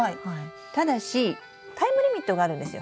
ただしタイムリミットがあるんですよ。